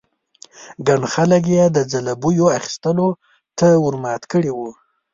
ګڼ خلک یې د ځلوبیو اخيستلو ته ور مات کړي وو.